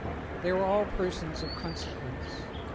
They were all persons of con sequence.